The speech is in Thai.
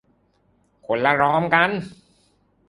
คนละรอมกัน